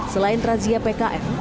selain transia pkm